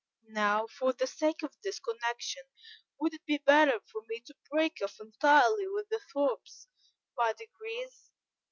Now, for the sake of this connection, would it be better for me to break off entirely with the Thorpes by degrees?